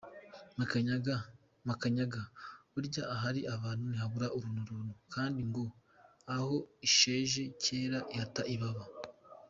Makanyaga: Burya ahari abantu ntihabura uruntu runtu kandi ngo aho isheshe kera ihata ibaba.